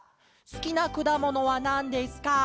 「すきなくだものはなんですか？